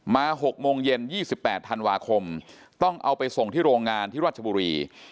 ๖โมงเย็น๒๘ธันวาคมต้องเอาไปส่งที่โรงงานที่ราชบุรี